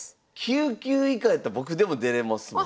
９級以下やったら僕でも出れますもんね？